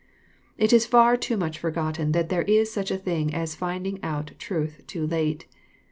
It is far too much forgotten that there is such a thing as finding out truth too late.